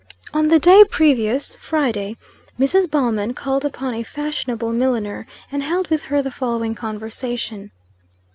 On the day previous, Friday, Mrs. Ballman called upon a fashionable milliner, and held with her the following conversation.